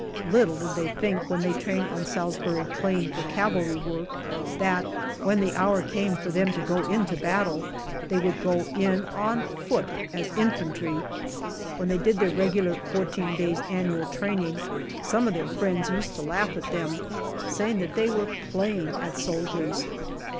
Little did they think, when they trained on Salisbury Plain for cavalry work, that when the hour came for them to go into battle they would go in on foot as infantry. When they did their regular fourteen days' annual training, some of their friends used to laugh at them, saying that they were playing at soldiers.